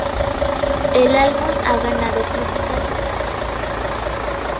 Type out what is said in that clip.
El álbum ha ganado críticas mixtas.